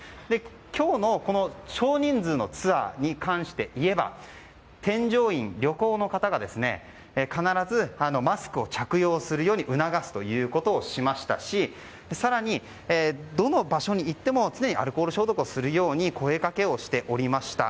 今日の少人数のツアーに関していえば添乗員、旅行の方が必ずマスクを着用するように促すということをしましたし更に、どの場所に行っても常にアルコール消毒するよう声掛けしていました。